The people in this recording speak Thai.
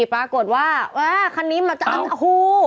ปรากฏว่าอ่าคันนี้เหมือนจะอันอ่าฮู